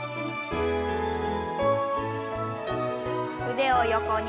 腕を横に。